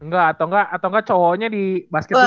enggak atau enggak cowoknya di basket juga ya